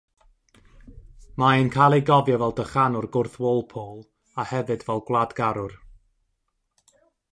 Mae e'n cael ei gofio fel dychanwr gwrth-Walpole a hefyd fel gwladgarwr.